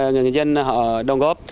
người dân họ